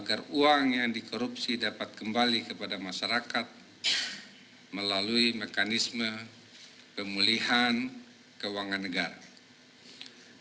agar uang yang dikorupsi dapat kembali kepada masyarakat melalui mekanisme pemulihan keuangan negara